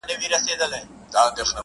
ستا وه ديدن ته هواداره يمه,